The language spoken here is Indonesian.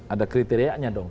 ada kriterianya dong